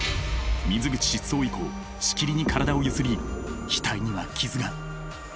水口失踪以降しきりに体を揺すり額には傷が。